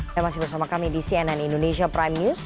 saya masih bersama kami di cnn indonesia prime news